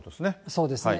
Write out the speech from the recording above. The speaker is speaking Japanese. そうですね。